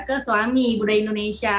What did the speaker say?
ke suami budaya indonesia